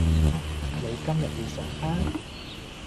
你今日要上班?